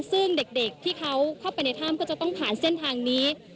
ซึ่งเด็กที่เขาเข้าไปในถ้ำก็จะต้องผ่านเส้นทางนี้